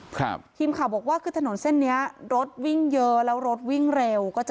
ทีมข่าวบอกว่าคือถนนเส้นเนี้ยรถวิ่งเยอะแล้วรถวิ่งเร็วก็จะ